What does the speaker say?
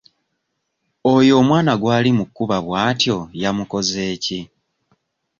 Oyo omwana gw'ali mu kkuba bw'atyo yamukoze ki?